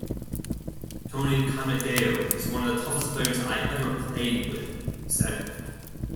"Tony Canadeo is one of the toughest players I ever played with," he said.